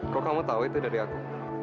kok kamu tahu itu dari aku